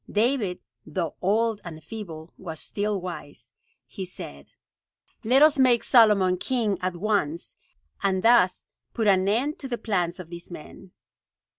David, though old and feeble, was still wise. He said: "Let us make Solomon king at once, and thus put an end to the plans of these men."